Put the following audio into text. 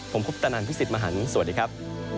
ผมคุปตะนันพี่สิทธิ์มหันฯสวัสดีครับ